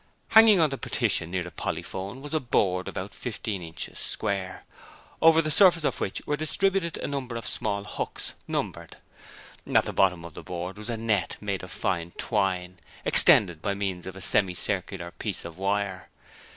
Hanging on the partition near the polyphone was a board about fifteen inches square, over the surface of which were distributed a number of small hooks, numbered. At the bottom of the board was a net made of fine twine, extended by means of a semi circular piece of wire.